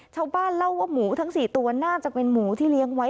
ชาวบ้านเล่าว่าหมูทั้ง๔ตัวน่าจะเป็นหมูที่เลี้ยงไว้